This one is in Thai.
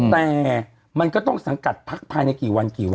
แต่มันก็ต้องสังกัดพักภายในกี่วันกี่วัน